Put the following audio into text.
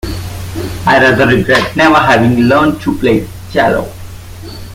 I rather regret never having learned to play the cello.